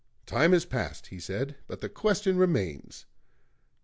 "Time has passed," he said, "but the question remains."